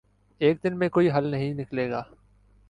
ایک دن میں کوئی حل نہیں نکلے گا۔